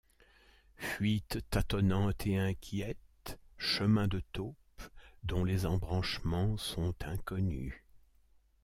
Fuite tâtonnante et inquiète, chemin de taupe dont les embranchements sont inconnus.